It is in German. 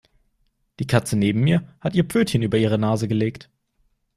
Die Katze neben mir hat ihr Pfötchen über ihre Nase gelegt.